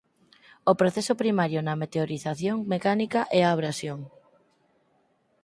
O proceso primario na meteorización mecánica é a abrasión.